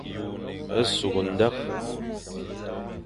Sughde ndekh.